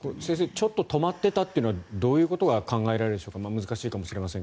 ちょっと止まってたというのはどういうことが考えられるでしょうか？